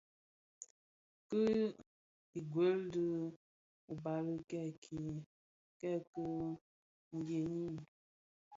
Ki ughèi di ubali kèki dheňi.